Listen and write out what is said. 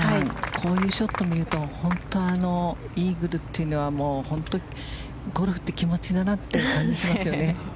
こういうショットを見るとイーグルというのはゴルフって気持ちだなって感じますね。